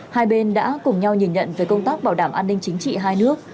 hai bên đã cùng nhau nhìn nhận về công tác bảo đảm an ninh chính trị hai nước